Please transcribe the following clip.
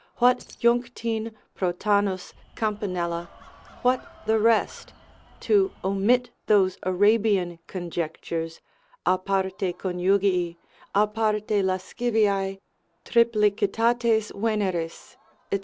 what Junctine, Protanus, Campanella, what the rest, (to omit those Arabian conjectures a parte conjugii, a parte lasciviae, triplicitates veneris, &c.